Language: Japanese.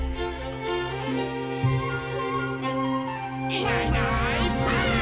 「いないいないばあっ！」